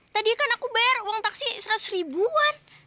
tadi kan aku bayar uang taksi seratus ribuan